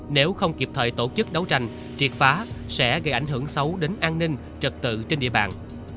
nếu không kịp thời tổ chức đấu tranh triệt phá sẽ gây ảnh hưởng xấu đến an ninh trật tự trên địa bàn